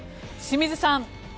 清水さん